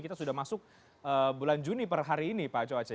kita sudah masuk bulan juni per hari ini pak coace